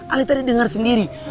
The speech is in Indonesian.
ali tadi dengar sendiri